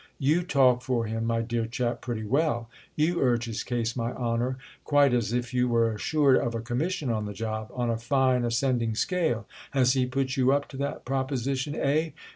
"You talk for him, my dear chap, pretty well. You urge his case, my honour, quite as if you were assured of a commission on the job—on a fine ascending scale! Has he put you up to that proposition, eh?